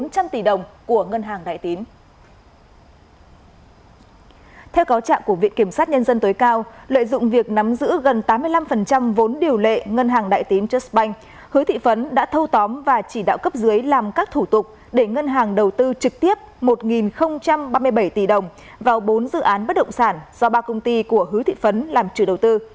trong vốn điều lệ ngân hàng đại tín trust bank hứa thị phấn đã thâu tóm và chỉ đạo cấp dưới làm các thủ tục để ngân hàng đầu tư trực tiếp một ba mươi bảy tỷ đồng vào bốn dự án bất động sản do ba công ty của hứa thị phấn làm trừ đầu tư